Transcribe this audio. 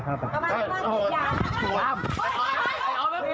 กลัวอะไร